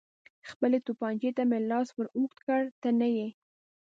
خپلې تومانچې ته مې لاس ور اوږد کړ، ته نه یې.